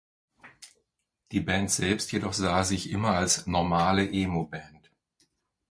Die Band selbst jedoch sah sich immer als "normale" Emo-Band.